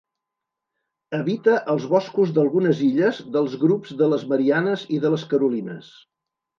Habita els boscos d'algunes illes dels grups de les Marianes i de les Carolines.